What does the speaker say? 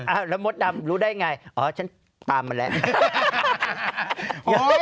แล้วมดดำรู้ได้ไงอ๋อฉันตามมาแล้ว